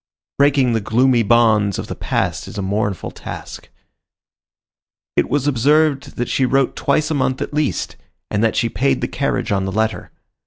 Breaking the gloomy bonds of the past is a mournful task. It was observed that she wrote twice a month at least, and that she paid the carriage on the letter.